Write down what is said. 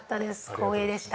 光栄でした。